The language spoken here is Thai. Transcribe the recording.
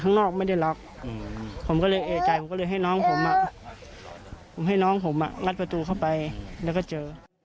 ข้างนอกไม่ได้รับผมก็เลยให้น้องผมให้น้องผมมางัดประตูเข้าไปแล้วก็เจอ